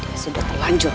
dia sudah terlanjur